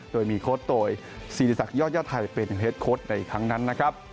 โดยมีโค้ดโตยศิริษักยอดย่าไทยเป็นเฮดโค้ดในครั้งนั้นนะครับ